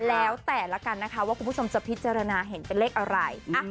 แล้วแต่ละกันนะคะว่าคุณผู้ชมจะพิจารณาเห็นเป็นเลขอะไร